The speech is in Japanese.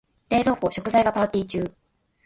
冷蔵庫、食材がパーティ中。